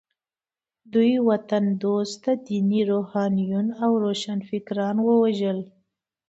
دوی وطن دوسته ديني روحانيون او روښانفکران ووژل.